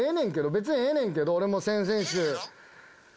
別にええねんけど俺も先々週。